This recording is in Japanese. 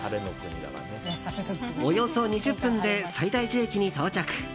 およそ２０分で西大寺駅に到着。